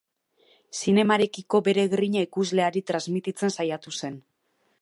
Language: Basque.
Zinemarekiko bere grina ikusleari transmititzen saiatu zen.